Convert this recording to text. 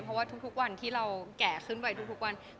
เพราะทุกวันที่เราแก่ขึ้นไปตรงทาง